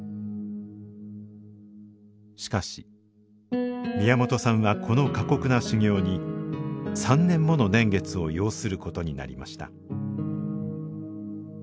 しかし宮本さんはこの過酷な修行に３年もの年月を要することになりました